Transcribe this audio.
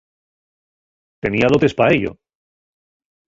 Tenía dotes pa ello.